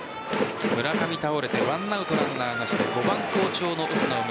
村上倒れて１アウトランナーなしで５番・好調のオスナを